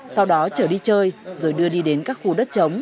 sau đó chở đi chơi rồi đưa đi đến các khu đất chống